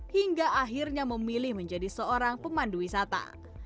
hingga akhirnya memilih menjadi seorang pemandu wisata